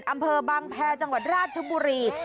อำเภอบางแพรจังหวัดราชบุรี